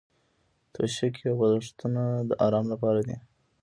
توشکې او بالښتونه د ارام لپاره دي.